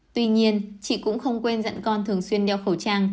tuy nhiên chị cũng không quên dặn con thường xuyên đeo khẩu trang